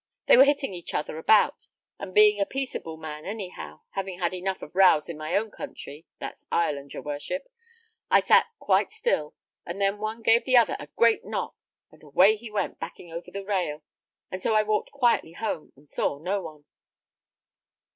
They were hitting each other about, and being a peaceable man anyhow, having had enough of rows in my own country that's Ireland, your worship I sat quite still, and then the one gave the other a great knock, and away he went back over the railing, and so I walked quietly home, and saw no more."